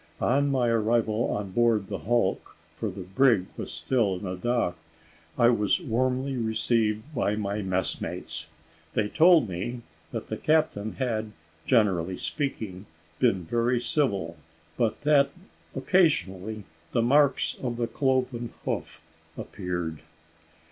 On, my arrival on board the hulk, for the brig was still in dock, I was warmly received by my messmates. They told me that the captain had, generally speaking, been very civil, but that, occasionally, the marks of the cloven foot appeared.